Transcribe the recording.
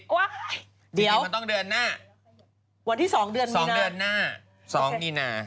ว่าเดี๋ยวจริงมันต้องเดือนหน้าวันที่สองเดือนมีนาสองเดือนหน้าสองมีนา